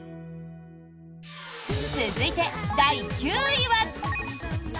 続いて、第９位は。